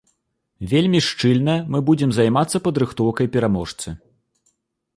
Вельмі шчыльна мы будзем займацца падрыхтоўкай пераможцы.